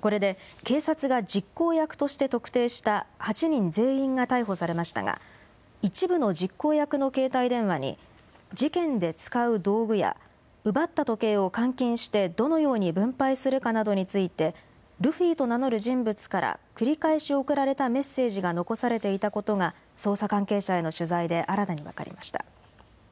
これで警察が実行役として特定した８人全員が逮捕されましたが、一部の実行役の携帯電話に、事件で使う道具や、奪った時計を換金してどのように分配するかなどについて、ルフィと名乗る人物から繰り返し送られたメッセージが残されていたことが、捜査関係者への取材で新たに分かりました。